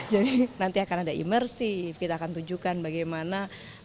jadi nanti akan ada imersif kita akan tunjukkan bagaimana